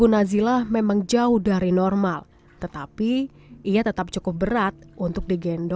nazila selalu mengalami penyakit tersebut